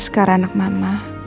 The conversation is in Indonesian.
askara anak mama